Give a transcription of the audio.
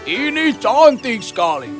ini cantik sekali